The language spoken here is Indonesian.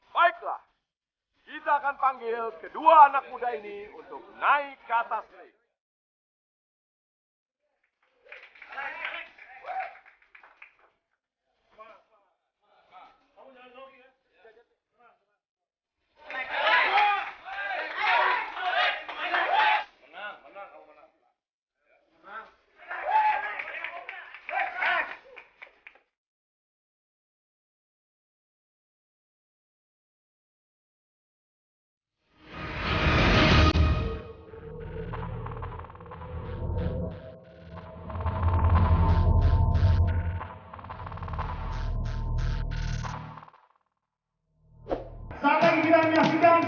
baiklah kita akan panggil kedua anak muda ini untuk naik ke atas ring